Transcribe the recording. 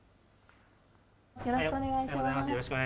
よろしくお願いします。